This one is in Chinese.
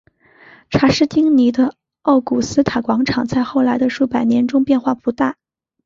查士丁尼的奥古斯塔广场在后来的数百年中变化不大。